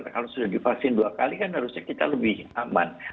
kalau sudah divaksin dua kali kan harusnya kita lebih aman